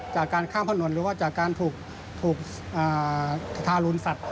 จากการข้ามถนนหรือว่าจากการถูกทารุณสัตว